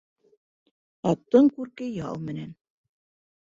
Аттың күрке ял менән